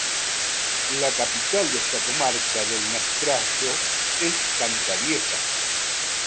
La capital de esta comarca del Maestrazgo es Cantavieja.